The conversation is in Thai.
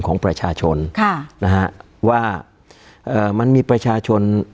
การแสดงความคิดเห็น